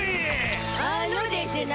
あのでしゅな。